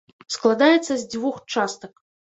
Складаецца з дзвюх частак.